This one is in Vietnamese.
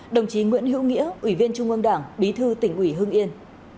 đồng chí nguyễn hữu nghĩa ủy viên trung ương đảng bí thư tỉnh ủy hương yên